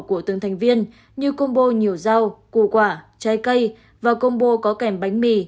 của từng thành viên như combo nhiều rau củ quả trái cây và combo có kèm bánh mì